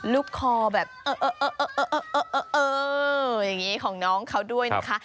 ลูกคอแบบเอออย่างนี้ของน้องเขาด้วยนะคะ